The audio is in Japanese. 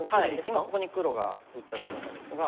今ここに黒が打ったところなんですが。